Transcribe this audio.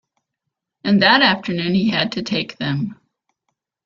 And that afternoon he had to take them.